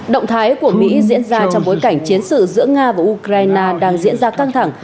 động thái của mỹ diễn ra trong bối cảnh chiến sự giữa nga và ukraine đang diễn ra căng thẳng